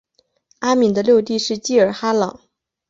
阿敏的六弟是济尔哈朗。